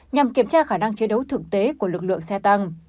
nhằm kiểm tra khả năng chế đấu thực tế của lực lượng xe tăng